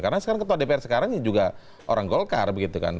karena sekarang ketua dpr sekarang ini juga orang golkar begitu kan